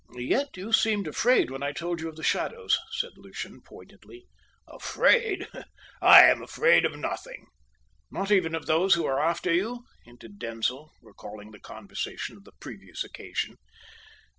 "Yet you seemed afraid when I told you of the shadows," said Lucian pointedly. "Afraid! I am afraid of nothing!" "Not even of those who are after you?" hinted Denzil, recalling the conversation of the previous occasion.